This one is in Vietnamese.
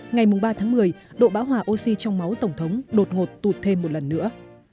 ngày ba tháng một mươi độ bão hỏa oxy trong máu tổng thống đột ngột tụt thêm một lần nữa